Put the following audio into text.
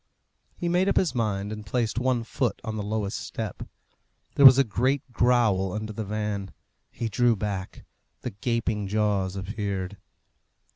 He made up his mind, and placed one foot on the lowest step. There was a great growl under the van. He drew back. The gaping jaws appeared.